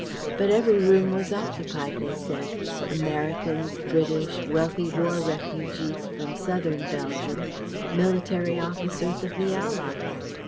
But every room was occupied, they said Americans, British, wealthy war refugees from southern Belgium, military officers of the Allies.